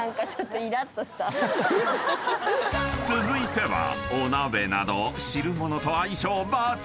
［続いてはお鍋など］